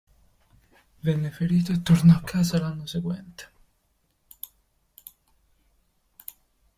Venne ferito e tornò a casa l'anno seguente.